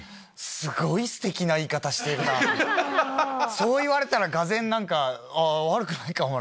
そう言われたらがぜん悪くないかもなって。